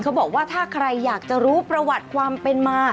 เขาบอกว่าถ้าใครอยากจะรู้ประวัติความเป็นมา